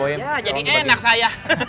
ya jadi enak saya